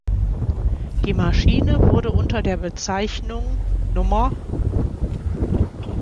Die Maschine wurde unter der Bezeichnung "No.